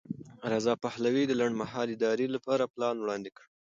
رضا پهلوي د لنډمهالې ادارې لپاره پلان وړاندې کړ.